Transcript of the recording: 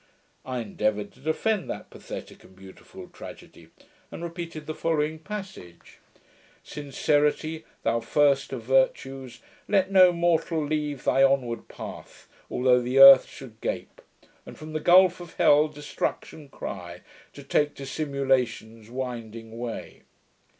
I endeavoured to defend that pathetick and beautiful tragedy, and repeated the following passage: '"... Sincerity, Thou first of virtues! let no mortal leave Thy onward path, although the earth should gape, And from the gulph of hell destruction cry. To take dissimulation's winding way."'